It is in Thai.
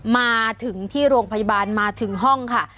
มาถึงที่โรงพยาบาลมาถึงห้องค่ะ